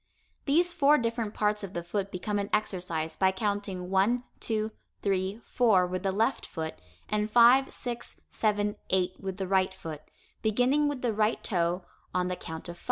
These four different parts of the foot become an exercise by counting 1, 2, 3, 4, with the left foot, and 5, 6, 7, 8, with the right foot, beginning with the right toe on the count of 5.